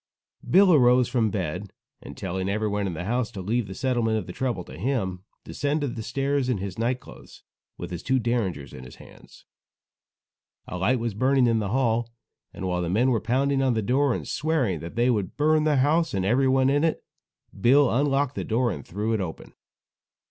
Bill arose from bed, and telling everyone in the house to leave the settlement of the trouble to him, descended the stairs in his night clothes, with his two derringers in his hands. A light was burning in the hall, and while the men were pounding on the door, and swearing that they would burn the house and everyone in it, Bill unlocked the door and threw it open.